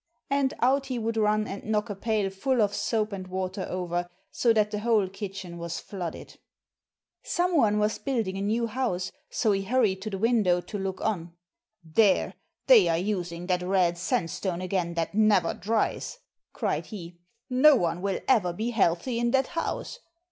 And out he would run and knock a pail full of soap and water over, so that the whole kitchen was flooded. Someone was building a new house, so he hurried to the window to look on. "There, they are using that red sand stone again that never dries!" cried he. "No one will ever be healthy in that house!